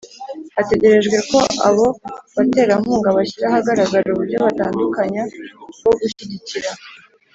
hategerejwe ko abo baterankunga bashyira ahagaragara uburyo butandukanye bwo gushyigikira,